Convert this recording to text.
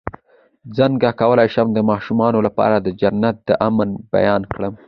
څنګه کولی شم د ماشومانو لپاره د جنت د امن بیان کړم